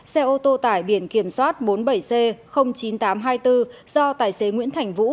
xe ô tô tải biển kiểm soát bốn mươi bảy c chín nghìn tám trăm hai mươi bốn do tài xế nguyễn thành vũ